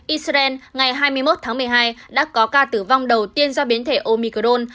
israel ngày hai mươi một tháng một mươi hai đã có ca tử vong đầu tiên do biến thể omicol